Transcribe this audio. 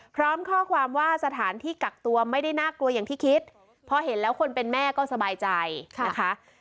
พร้อมข้อความว่าสถานที่กักตัวไม่ได้น่ากลัวอย่างที่คิดพอเห็นแล้วคนเป็นแม่ก็สบายใจนะคะ